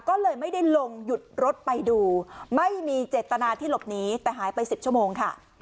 ก็เลยไม่ได้ลงหยุดรถไปดูไม่มีเจตนาที่หลบหนีแต่หายไป๑๐ชั่วโมงค่ะ